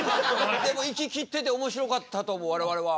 でもいききってておもしろかったと思う我々は。